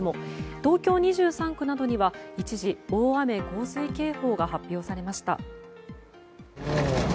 東京２３区などには一時大雨・洪水警報が発表されました。